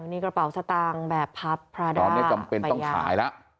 นี่กระเป๋าสตางค์แบบพับพรดานี่ต้องขายละ